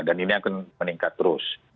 dan ini akan meningkat terus